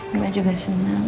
aku juga senang